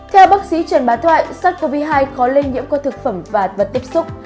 theo bác sĩ trần bá thoại sars cov hai khó lây nhiễm qua thực phẩm và vật tiếp xúc